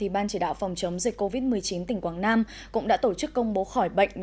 ban chỉ đạo phòng chống dịch covid một mươi chín tỉnh quảng nam cũng đã tổ chức công bố khỏi bệnh